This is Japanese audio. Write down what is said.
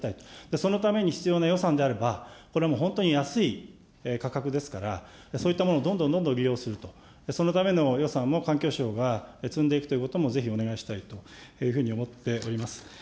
そのために必要な予算であれば、これはもう本当に安い価格ですから、そういったものをどんどんどんどん利用すると、そのための予算も環境省が積んでいくということも、ぜひお願いしたいというふうに思っております。